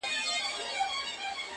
د خرقې د پېرودلو عقل خام دی -